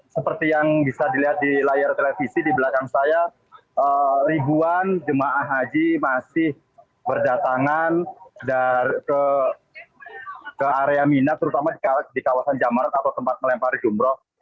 seperti yang bisa dilihat di layar televisi di belakang saya ribuan jemaah haji masih berdatangan ke area mina terutama di kawasan jamarat atau tempat melempari jumroh